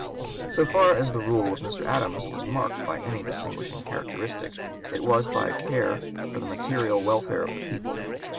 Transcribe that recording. So far as the rule of Mr. Adams was marked by any distinguishing characteristic, it was by a care for the material welfare of the people.